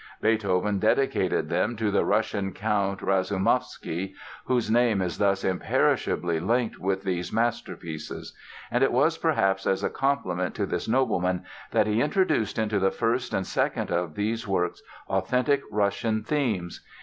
Beethoven dedicated them to the Russian Count Rasoumovsky, whose name is thus imperishably linked with these masterpieces; and it was perhaps as a compliment to this nobleman that he introduced into the first and second of these works authentic Russian themes.